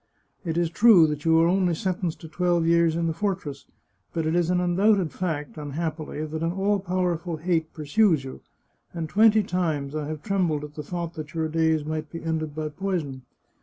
" It is true that you are only sentenced to twelve years in the fortress, but it is an undoubted fact, unhappily, that an all powerful hate pursues you, and twenty times I have trembled at the thought that your days might be ended by poison.